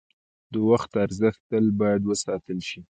د وخت ارزښت تل باید وساتل شي.